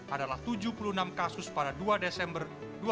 adalah tujuh puluh enam kasus pada dua desember dua ribu dua puluh